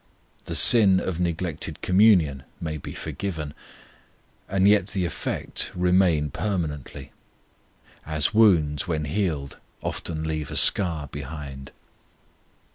The sin of neglected communion may be forgiven, and yet the effect remain permanently; as wounds when healed often leave a scar behind.